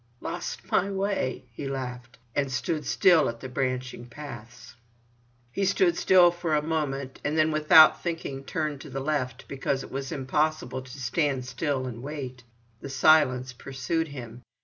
"Lost my way!" he laughed, and stood still at the branching paths. He stood still for a moment, and then without thinking turned to the left, because it was impossible to stand still and wait. The silence pursued him.